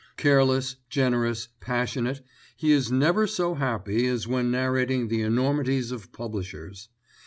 Careless, generous, passionate, he is never so happy as when narrating the enormities of publishers.